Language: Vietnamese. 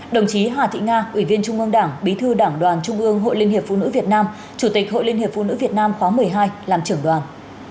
đồng chí hà thị nga ủy viên trung ương đảng bí thư đảng đoàn trung ương hội liên hiệp phụ nữ việt nam chủ tịch hội liên hiệp phụ nữ việt nam khóa một mươi hai làm trưởng đoàn